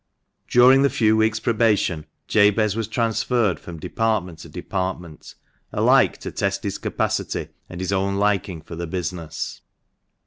During the few weeks' probation, Jabez was transferred from department to department, alike to test his capacity and his own liking for the business.